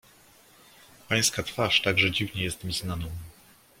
"Pańska twarz także dziwnie jest mi znaną."